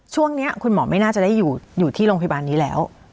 ช่วงนี้คุณหมอไม่น่าจะได้อยู่ที่โรงพยาบาลนี้แล้ว